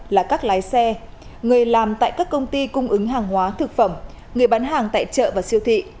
là các lái xe người làm tại các công ty cung ứng hàng hóa thực phẩm người bán hàng tại chợ và siêu thị